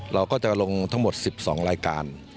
เราก็จะลงทั้งหมด๑๒รายการ